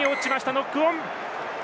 ノックオン。